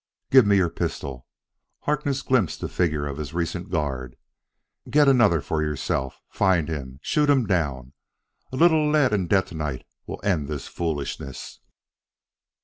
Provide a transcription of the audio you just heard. "Give me your pistol!" Harkness glimpsed the figure of his recent guard. "Get another for yourself find him! shoot him down! A little lead and detonite will end this foolishness!"